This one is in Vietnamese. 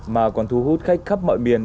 mà còn thu hút khách khắp mọi miền